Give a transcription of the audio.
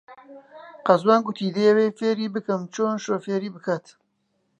قەزوان گوتی دەیەوێت فێری بکەم چۆن شۆفێری بکات.